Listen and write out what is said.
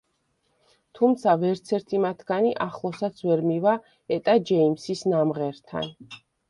თუმცა ვერცერთი მათგანი ახლოსაც ვერ მივა ეტა ჯეიმსის ნამღერთან.